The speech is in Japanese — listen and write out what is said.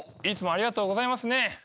いつもありがとうございますね。